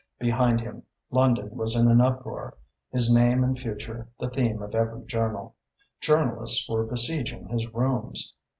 Behind him London was in an uproar, his name and future the theme of every journal. Journalists were besieging his rooms.